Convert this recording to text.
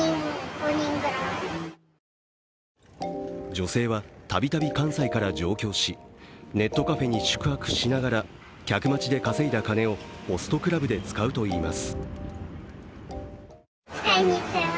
女性はたびたび関西から上京しネットカフェに宿泊しながら客待ちで稼いだ金をホストクラブで使うといいます。